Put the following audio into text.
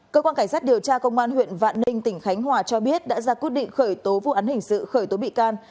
cơ quan cảnh sát điều tra công an huyện vạn ninh tỉnh khánh hòa cho biết đã ra quyết định khởi tố bị can